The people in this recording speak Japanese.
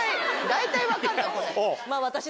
大体分かるなこれ。